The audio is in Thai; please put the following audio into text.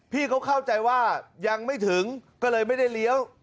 พี่เขาเข้าใจว่ายังไม่ถึงก็เลยไม่ได้เลี้ยว